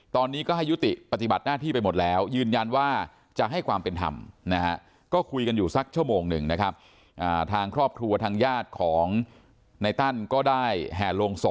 ตอนนี้ก็ให้ยุติปฏิบัติหน้าที่ไปหมดแล้วยืนยันว่าจะให้ความเป็นธรรมนะฮะ